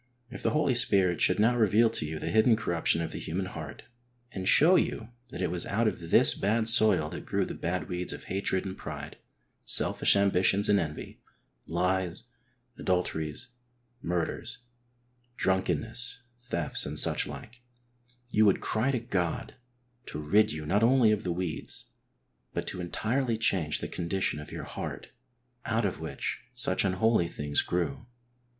If the Holy Spirit should now reveal to you the hidden corruption of the human heart, and show you that it was out of this bad soil that grew the bad weeds of hatred and pride, selfish ambitions and envy, lies, adulteries, murders, drunkenness, thefts, and such like, you would cry to God to rid you not only of the weeds, but to entirely change the condition of your heart out of which such unholy things grew.